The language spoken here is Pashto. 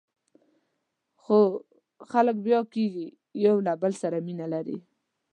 خو خلک بیا کېږي، یو له بل سره مینه لري.